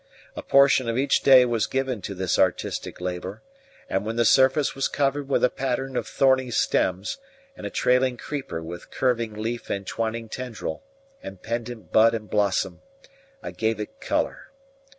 A portion of each day was given to this artistic labour; and when the surface was covered with a pattern of thorny stems, and a trailing creeper with curving leaf and twining tendril, and pendent bud and blossom, I gave it colour.